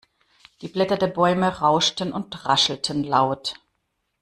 Die Blätter der Bäume rauschten und raschelten laut.